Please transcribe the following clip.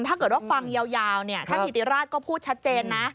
ถ้าเกิดว่าฟังยาวท่านถิติราชก็พูดชัดเจนนะ